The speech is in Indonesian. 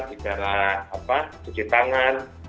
bicara apa cuci tangan